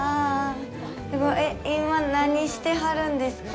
今、何してはるんですか？